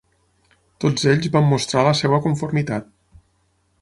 Tots ells van mostrar la seva conformitat.